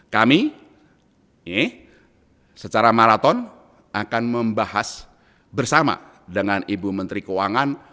kami secara maraton akan membahas bersama dengan ibu menteri keuangan